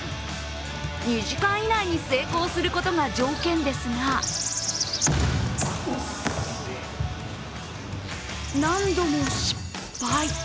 ２時間以内に成功することが条件ですが何度も失敗。